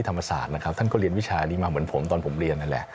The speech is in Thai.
ท่านก็เรียนวิชานี้มาเหมือนผมตอนผมเรียนนั่นแหละ